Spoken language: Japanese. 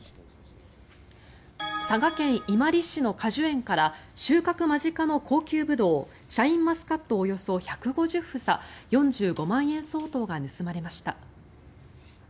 佐賀県伊万里市の果樹園から収穫間近の高級ブドウシャインマスカットおよそ１５０房４５万円相当が盗まれました。